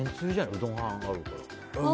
うどんがあるから。